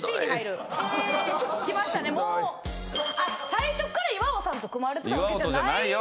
最初から岩尾さんと組まれてたわけじゃないんですね。